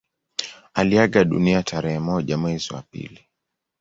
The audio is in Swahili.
Aliaga dunia tarehe moja mwezi wa pili